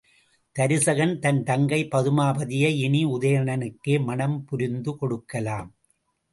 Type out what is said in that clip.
தருசகன் தன் தங்கை பதுமாபதியை இனி உதயணனுக்கே மணம் புரிந்து கொடுக்கலாம்.